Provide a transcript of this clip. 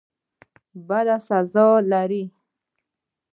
بدی څه سزا لري؟